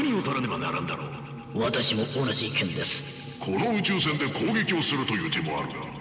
この宇宙船で攻撃をするという手もあるが。